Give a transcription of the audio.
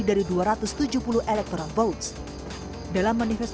dan untuk membuat progres